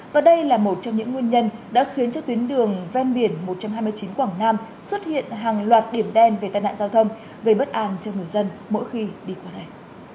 và đây là một trong những nguyên nhân đã khiến cho tuyến đường ven biển một trăm hai mươi chín quảng nam xuất hiện hàng loạt điểm đen về tai nạn giao thông gây bất an cho người dân mỗi khi đi qua đây